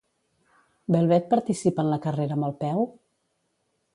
Velvet participa en la carrera amb el Peu?